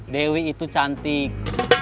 dewi itu canggih